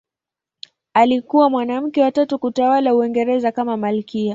Alikuwa mwanamke wa tatu kutawala Uingereza kama malkia.